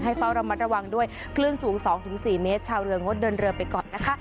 เฝ้าระมัดระวังด้วยคลื่นสูง๒๔เมตรชาวเรืองดเดินเรือไปก่อนนะคะ